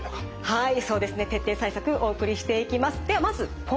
はい。